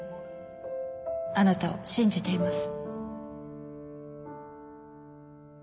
あなたを信じています